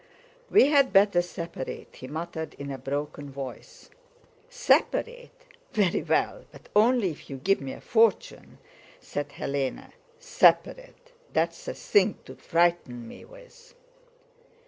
"We had better separate," he muttered in a broken voice. "Separate? Very well, but only if you give me a fortune," said Hélène. "Separate! That's a thing to frighten me with!"